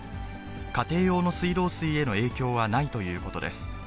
家庭用の水道水への影響はないということです。